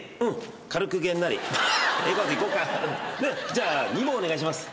じゃあ２文お願いします。